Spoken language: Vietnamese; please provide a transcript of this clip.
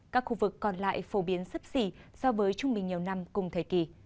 các khu vực còn lại phổ biến sấp xỉ so với trung bình nhiều năm cùng thời kỳ